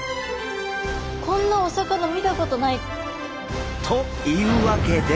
こんなお魚見たことない。というわけで！